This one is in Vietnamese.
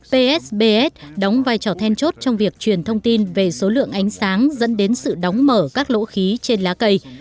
psbs đóng vai trò then chốt trong việc truyền thông tin về số lượng ánh sáng dẫn đến sự đóng mở các lỗ khí trên lá cây